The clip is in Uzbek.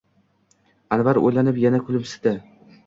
Anvar o’ylanib yana kulimsidi: